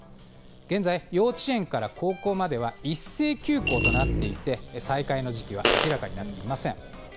現在、幼稚園から高校までは一斉休校となっていて再開の時期は明らかになっていません。